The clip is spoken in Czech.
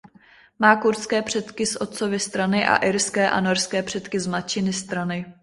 Má kurdské předky z otcovy strany a irské a norské předky z matčiny strany.